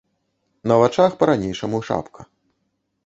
На вачах па-ранейшаму шапка.